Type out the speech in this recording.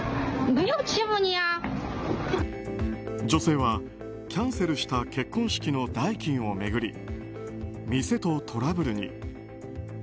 女性はキャンセルした結婚式の代金を巡り店とトラブルに。